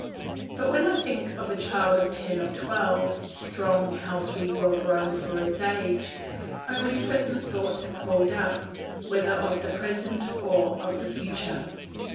But when I think of a child of ten or twelve, strong, healthy, well grown for his age, only pleasant thoughts are called up, whether of the present or the future.